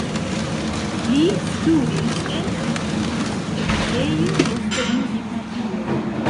Li studis en instruist-edukejo, poste en gimnazio.